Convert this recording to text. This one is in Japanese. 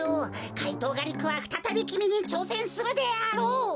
怪盗ガリックはふたたびきみにちょうせんするであろう。